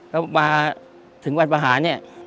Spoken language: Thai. แล้วมาถึงวันประหาร